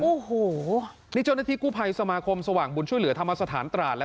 โอ้โหนี่เจ้าหน้าที่กู้ภัยสมาคมสว่างบุญช่วยเหลือธรรมสถานตราด